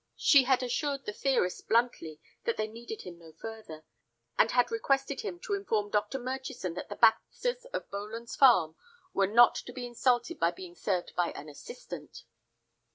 She had assured the theorist bluntly that they needed him no further, and had requested him to inform Dr. Murchison that the Baxters, of Boland's Farm, were not to be insulted by being served by an assistant.